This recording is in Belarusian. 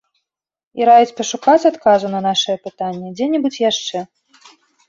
І раіць пашукаць адказу на нашае пытанне дзе-небудзь яшчэ.